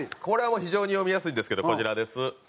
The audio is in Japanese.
これはもう非常に読みやすいんですけどこちらです。